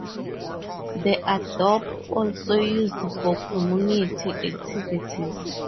The adobe also used for community activities.